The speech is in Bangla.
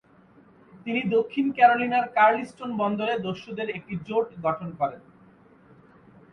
তিনি দক্ষিণ ক্যারোলিনার কার্লিস্টোন বন্দরে দস্যুদের একটি জোট গঠন করেন।